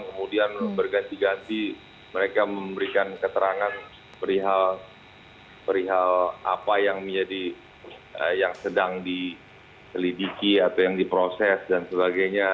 kemudian berganti ganti mereka memberikan keterangan perihal apa yang sedang diselidiki atau yang diproses dan sebagainya